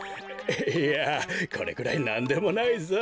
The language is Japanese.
いやこれくらいなんでもないぞ。